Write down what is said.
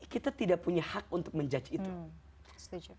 kita tidak punya hak untuk menjudge itu